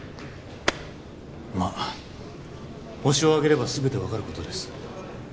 まあホシを挙げれば全て分かることです